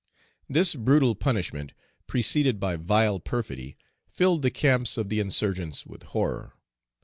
This brutal punishment, preceded by vile perfidy, filled the camps of the insurgents with horror.